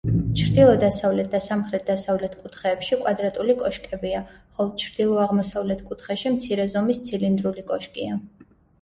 ჩრდილო-დასავლეთ და სამხრეთ-დასავლეთ კუთხეებში კვადრატული კოშკებია, ხოლო ჩრდილო-აღმოსავლეთ კუთხეში მცირე ზომის ცილინდრული კოშკია.